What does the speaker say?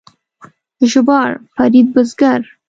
ژباړ: فرید بزګر